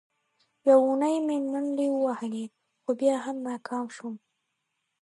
یوه اونۍ مې منډې ووهلې، خو بیا هم ناکام شوم.